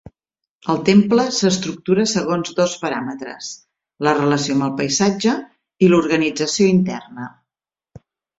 El temple s'estructura segons dos paràmetres: la relació amb el paisatge i l'organització interna.